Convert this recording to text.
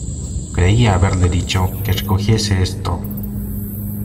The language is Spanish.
Creía haberle dicho que recogiese esto.